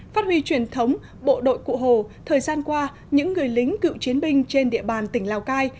phát huy truyền thống bộ đội cụ hồ thời gian qua những người lính cựu chiến binh trên địa bàn tỉnh lào cai